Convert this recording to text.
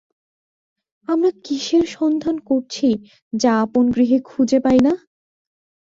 আমরা কীসের সন্ধান করছি যা আপন গৃহে খুঁজে পাই না?